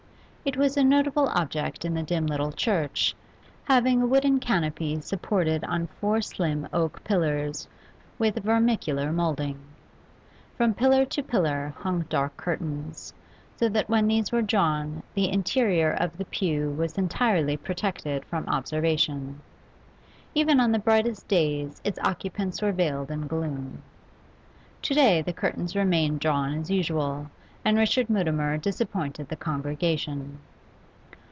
It was a notable object in the dim little church, having a wooden canopy supported on four slim oak pillars with vermicular moulding. From pillar to pillar hung dark curtains, so that when these were drawn the interior of the pew was entirely protected from observation. Even on the brightest days its occupants were veiled in gloom. To day the curtains remained drawn as usual, and Richard Mutimer disappointed the congregation.